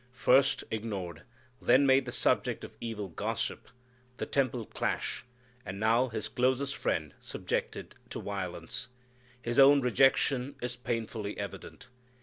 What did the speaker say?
First ignored, then made the subject of evil gossip, the temple clash, and now His closest friend subjected to violence, His own rejection is painfully evident.